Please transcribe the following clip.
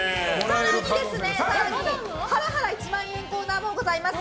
更に、ハラハラ１万円コーナーもございます。